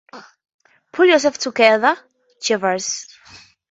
Pull yourself together, Jeeves.